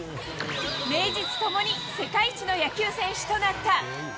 名実ともに世界一の野球選手となった。